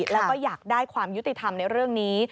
แล้วก็อยากได้ความยุติธรรมในเรื่องนี้